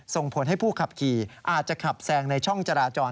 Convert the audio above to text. ส่งผลให้ผู้ขับขี่อาจจะขับแซงในช่องจราจร